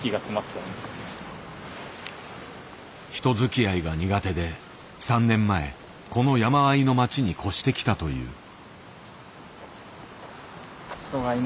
人づきあいが苦手で３年前この山あいの町に越してきたという。